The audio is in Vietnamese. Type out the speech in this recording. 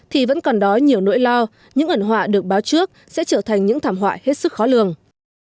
thì vẫn còn đói nhiều nỗi lo những ẩn họa được báo trước sẽ trở thành những thảm họa hết sức khó lường